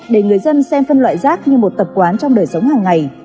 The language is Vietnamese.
để người dân xem phân loại rác như một tập quán trong đời sống hàng ngày